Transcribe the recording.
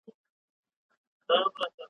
بخت مي لکه ستوری د یوسف دی ځلېدلی ,